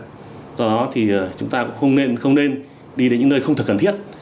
do đó thì chúng ta cũng không nên đi đến những nơi không thật cần thiết